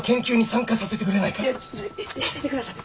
ちょっとやめてください。